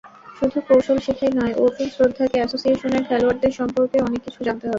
শুধু কৌশল শেখাই নয়, অর্জুন-শ্রদ্ধাকে অ্যাসোসিয়েশনের খেলোয়াড়দের সম্পর্কেও অনেক কিছু জানতে হবে।